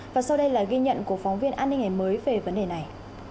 và sau đây là ghi nhận của phóng viên an ninh ngày mới về vấn đề này